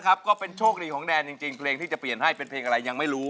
ก็เป็นโชคดีของแดนจริงเพลงที่จะเปลี่ยนให้เป็นเพลงอะไรยังไม่รู้